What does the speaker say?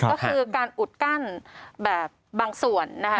ก็คือการอุดกั้นแบบบางส่วนนะคะ